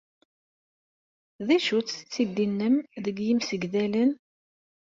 D acu-tt tiddi-nnem deg yimsegdalen?